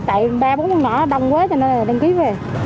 tại ba bốn con nhỏ đông quá cho nên đăng ký về